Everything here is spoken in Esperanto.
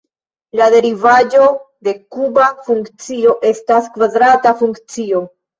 La derivaĵo de kuba funkcio estas kvadrata funkcio.